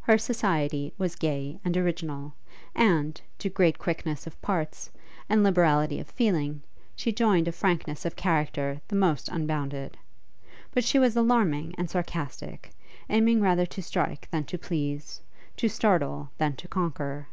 Her society was gay and original; and, to great quickness of parts, and liberality of feeling, she joined a frankness of character the most unbounded. But she was alarming and sarcastic, aiming rather to strike than to please, to startle than to conquer.